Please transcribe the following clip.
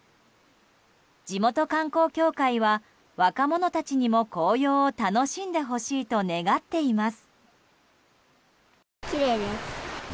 地元観光協会は若者たちにも紅葉を楽しんでほしいと願っています。